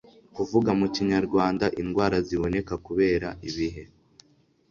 kuvuga mu kinyarwanda indwara ziboneka kubera ibihe